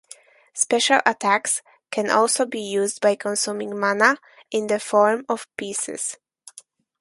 Special attacks can also be used by consuming mana in the form of pieces.